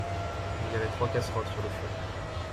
il y avait trois casseroles sur le feu.